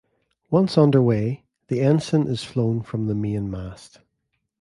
Once under way, the ensign is flown from the main mast.